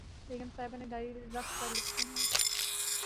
بیگم صاحبہ نے ڈائری رکھ کر لکھے ہیں